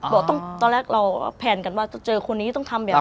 บอกตอนแรกเราแพลนกันว่าเจอคนนี้ต้องทำแบบนี้